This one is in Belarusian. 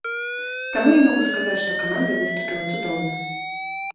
Таму я магу сказаць, што каманда выступіла цудоўна!